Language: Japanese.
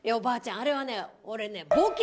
あれはね俺ね」。